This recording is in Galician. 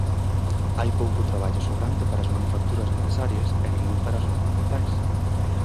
Hai pouco traballo sobrante para as manufacturas necesarias e ningún para as ornamentais.